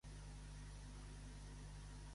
Durant el cristianisme, agafaren algun altre paper?